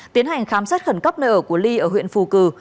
tiến hành khám xét khẩn cấp nơi ở của ly ở huyện phù cử